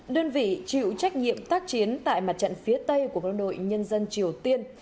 đơn vị chịu trách nhiệm tác chiến tại mặt trận phía tây của quân đội nhân dân triều tiên